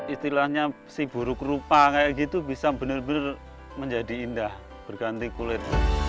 istilahnya si buruk rupa kayak gitu bisa benar benar menjadi indah berganti kulit